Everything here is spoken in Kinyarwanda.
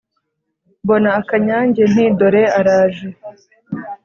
mbona akanyange nti " dore araje "